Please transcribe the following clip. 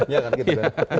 ya kan gitu